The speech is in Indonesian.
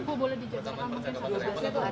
bo boleh dijakar rekaman